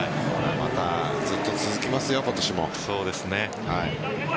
またずっと続きますよ今年も。